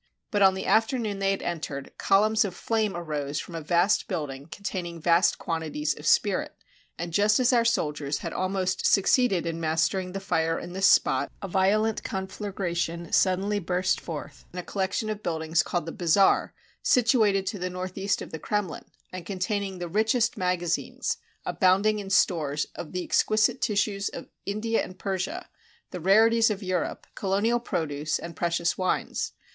But on the afternoon they had en tered, columns of flame arose from a vast building con taining vast quantities of spirit, and just as our soldiers had almost succeeded in mastering the fire in this spot, 121 RUSSIA a violent conflagration suddenly burst forth in a col lection of buildings called the Bazaar, situated to the northeast of the Kremlin, and containing the richest magazines, abounding in stores of the exquisite tissues of India and Persia, the rarities of Europe, colonial produce, and precious wines.